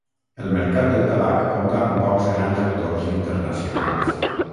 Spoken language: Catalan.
El mercat del tabac compta amb pocs grans actors internacionals.